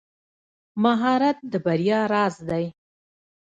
مهارت د بریا راز دی.